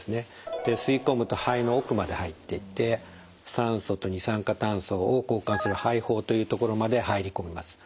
吸い込むと肺の奥まで入っていって酸素と二酸化炭素を交換する肺胞というところまで入り込みます。